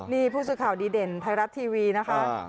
นี่ผู้สื่อข่าวดีเด่นไทยรัฐทีวีนะคะ